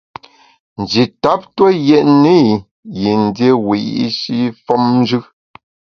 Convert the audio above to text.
Nji tap tue yètne i yin dié wiyi’shi femnjù.